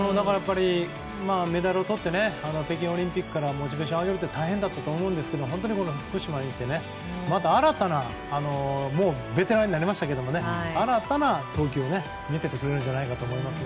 メダルをとって北京オリンピックからモチベーションを上げるのは大変だったと思いますけど本当に福島に行ってもうベテランになりましたけど新たな投球を見せてくれると思います。